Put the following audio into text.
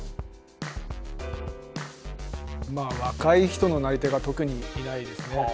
まあ若い人のなり手が特にいないですね。